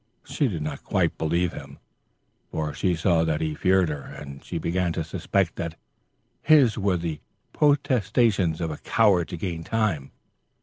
She did not quite believe him, for she saw that he feared her, and she began to suspect that his were the protestations of a coward to gain time.